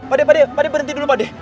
pak deh pak deh berhenti dulu pak deh